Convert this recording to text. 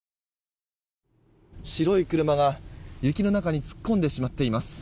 白い車が、雪の中に突っ込んでしまっています。